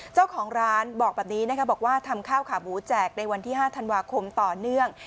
เจ้าของร้านบอกแบบนี้นะคะบอกว่าทำข้าวขาหมูแจกในวันที่๕ธันวาคมต่อเนื่อง